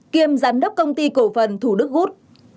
kiêm giám đốc công ty cổ phần thủ đức gút